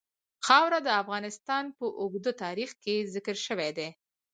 خاوره د افغانستان په اوږده تاریخ کې ذکر شوی دی.